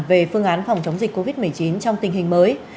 về phương án phòng chống dịch covid một mươi chín trong tình hình mới